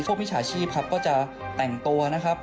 พวกมิชาชีพก็จะแต่งตัวนะครับ